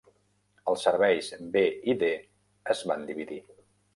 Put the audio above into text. Els serveis B i D es van dividir.